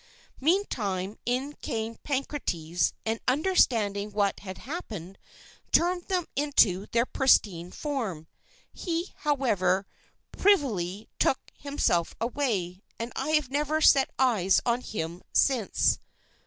Meantime in came Pancrates; and understanding what had happened, turned them into their pristine form: he, however, privily took himself away, and I have never set eyes on him since."